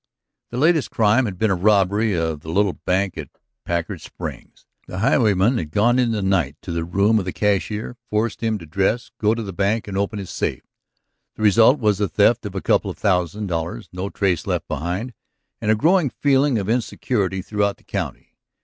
The latest crime had been the robbery of the little bank at Packard Springs. The highwayman had gone in the night to the room of the cashier, forced him to dress, go to the bank, and open his safe. The result was a theft of a couple of thousand dollars, no trace left behind, and a growing feeling of insecurity throughout the county.